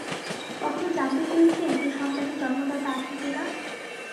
কখনো জানতে চেয়েছেন এই সন্তানের জন্মদাতা আপনি কিনা?